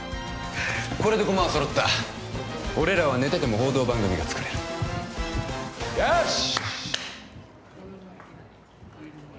これで駒は揃った俺らは寝てても報道番組が作れるよし！